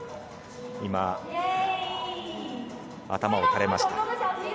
今、頭を抱えました。